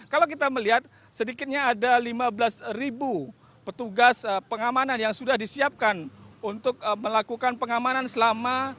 kalau kita melihat sedikitnya ada lima belas petugas pengamanan yang sudah disiapkan untuk melakukan pengamanan selama